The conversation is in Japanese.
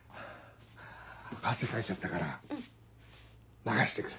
汗かいちゃったから流して来る。